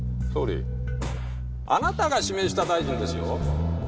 総理あなたが指名した大臣ですよ！